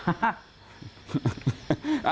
อย่างที่บอกไว้นะคะว่าตำรวจทำงานอย่างเต็มที่จริง